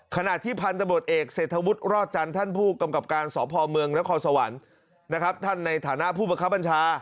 ขณะที่พันตำรวจเอกเศรษฐวุฒิรอดจันทร์ท่านผู้กำกับการสอบภอมเมืองและคอสวรรค์นะครับ